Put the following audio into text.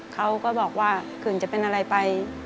เขาก็บอกว่าถึงจะเป็นอะไรไป